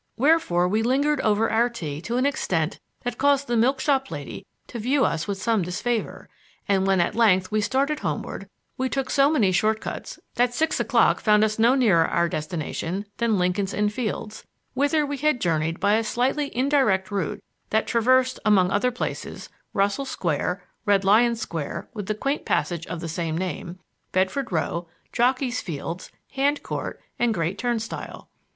Wherefore we lingered over our tea to an extent that caused the milk shop lady to view us with some disfavor, and when at length we started homeward, we took so many short cuts that six o'clock found us no nearer our destination than Lincoln's Inn Fields; whither we had journeyed by a slightly indirect route that traversed (among other places) Russell Square, Red Lion Square, with the quaint passage of the same name, Bedford Row, Jockey's Fields, Hand Court, and Great Turnstile.